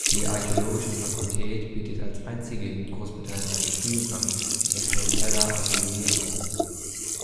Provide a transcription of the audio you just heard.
Die archäologische Fakultät bietet als einzige in Großbritannien einen Studiengang in experimenteller Archäologie an.